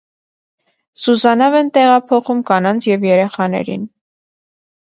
Սուզանավ են տեղափոխում կանանց և երեխաներին։